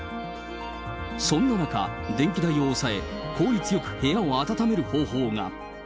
そんな中、電気代を抑え、効率よく部屋を暖める方法が。